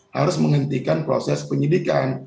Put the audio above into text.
harus menghentikan proses penyidikan